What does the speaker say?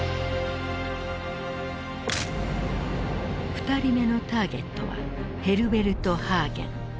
２人目のターゲットはヘルベルト・ハーゲン。